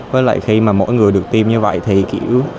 với lại khi mà mỗi người được tiêm như vậy thì kiểu